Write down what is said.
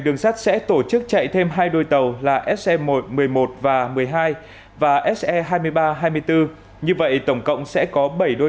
đường sắt sẽ tổ chức chạy thêm hai đôi tàu là se một một mươi một và một mươi hai và se hai mươi ba hai mươi bốn như vậy tổng cộng sẽ có bảy đôi